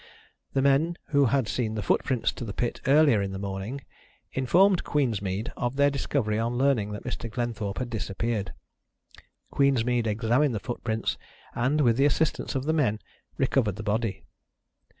The men who had seen the footprints to the pit earlier in the morning, informed Queensmead of their discovery on learning that Mr. Glenthorpe had disappeared. Queensmead examined the footprints, and, with the assistance of the men, recovered the body.